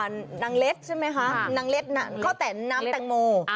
นางเลสใช่ไหมคะนางเล็ดข้าวแตนน้ำแตงโม